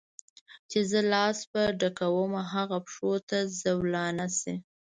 چي زه لاس په ډکومه هغه پښو ته زولانه سي